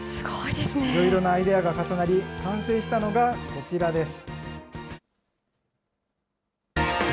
いろいろなアイデアが重なり、完成したのがこちらです。